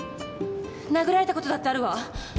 殴られたことだってあるわ。